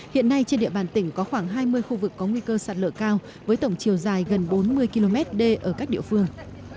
hiện nay trên địa bàn tỉnh có khoảng hai mươi khu vực có nguy cơ sạt lở cao với tổng chiều dài gần bốn mươi km đê ở các địa phương